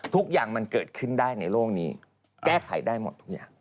ทุกอย่างมันเกิดขึ้นได้ในโลกนี้แก้ไขได้หมดทุกอย่าง